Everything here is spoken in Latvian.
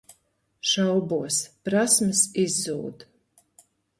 Šaubos. Prasmes izzūd.